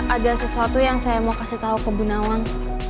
ada sesuatu yang saya mau kasih tau ke bu nawang